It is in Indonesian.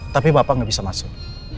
tapi bapak nggak bisa masuk